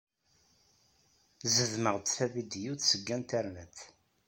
Zedmeɣ-d tavidyut seg internet.